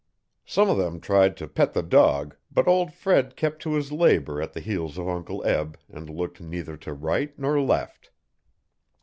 Some of them tried to pet the dog, but old Fred kept to his labour at the heels of Uncle Eb and looked neither to right nor left.